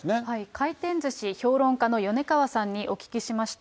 回転ずし評論家の米川さんにお聞きしました。